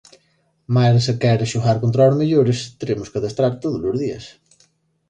Mais se queres xogar contra os mellores teremos que adestrar tódolos días"".